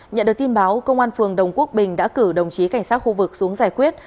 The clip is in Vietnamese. nhận được tin báo công an phường đồng quốc bình đã cử đồng chí cảnh sát khu vực xuống giải quyết